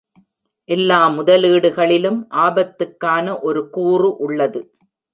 எல்லா முதலீடுகளிலும், ஆபத்துக்கான ஒரு கூறு உள்ளது.